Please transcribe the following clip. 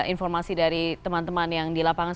informasi dari teman teman yang di lapangan